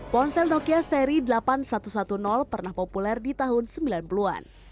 ponsel nokia seri delapan ribu satu ratus sepuluh pernah populer di tahun sembilan puluh an